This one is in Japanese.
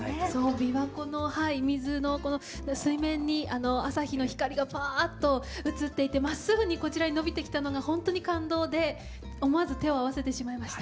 琵琶湖の水の水面に朝日の光がパーッと映っていてまっすぐにこちらの伸びてきたのがほんとに感動で思わず手を合わせてしまいました。